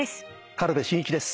軽部真一です。